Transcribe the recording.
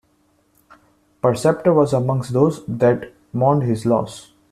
Perceptor was amongst those that mourned his loss.